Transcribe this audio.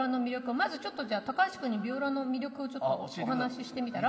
まずちょっとじゃあ高橋君にヴィオラの魅力をお話ししてみたら？